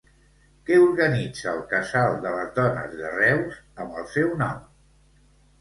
Què organitza el Casal de les Dones de Reus amb el seu nom?